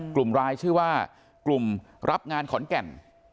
กลุ่มรายชื่อว่ากลุ่มรับงานขอนแก่น